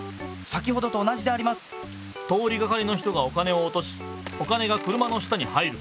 通りがかりの人がお金をおとしお金が車の下に入る。